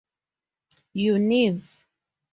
Univ.